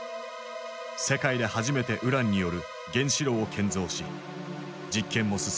世界で初めてウランによる原子炉を建造し実験も進めていた。